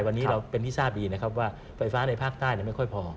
วันนี้เราเป็นที่ทราบดีนะครับว่าไฟฟ้าในภาคใต้ไม่ค่อยพอ